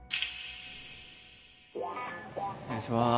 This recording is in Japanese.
お願いします。